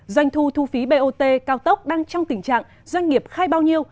doanh thu thu phí bot cao tốc đang trong tình trạng doanh nghiệp khai bao nhiêu